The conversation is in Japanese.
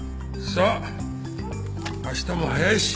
さあ明日も早いし寝るか。